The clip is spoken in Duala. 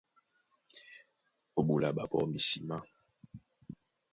Ó ɓola ɓaɓó misimá.